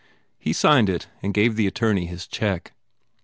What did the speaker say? He signed it and gave the attorney his check.